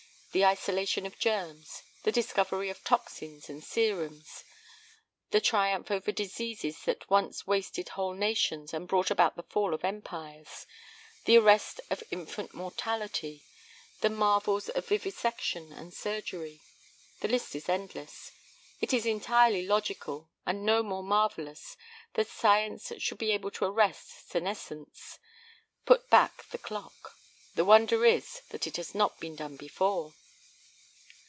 The isolation of germs, the discovery of toxins and serums, the triumph over diseases that once wasted whole nations and brought about the fall of empires, the arrest of infant mortality, the marvels of vivisection and surgery the list is endless. It is entirely logical, and no more marvellous, that science should be able to arrest senescence, put back the clock. The wonder is that it has not been done before."